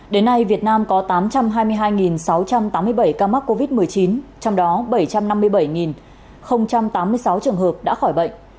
đến nay việt nam có tám trăm hai mươi hai sáu trăm tám mươi bảy ca mắc covid một mươi chín trong đó bảy trăm năm mươi bảy tám mươi sáu trường hợp đã khỏi bệnh